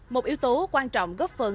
một yếu tố quan trọng góp phần